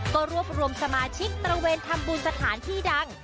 ก็รวบรวมสมาชิกตระเวนทำบุญสถานที่ดัง